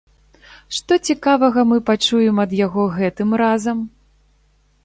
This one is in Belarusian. Што цікавага мы пачуем ад яго гэтым разам?